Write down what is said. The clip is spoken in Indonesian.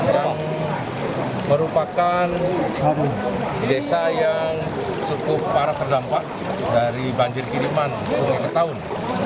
yang merupakan desa yang cukup parah terdampak dari banjir kiriman sungai ketahun